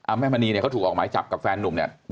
แม่มณีเนี่ยเขาถูกออกหมายจับกับแฟนนุ่มเนี่ย